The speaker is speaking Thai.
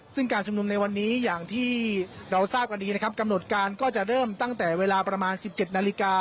ซึ่งการชุมนุมในวันนี้อย่างที่เราทราบกันดีนะครับกำหนดการก็จะเริ่มตั้งแต่เวลาประมาณ๑๗นาฬิกา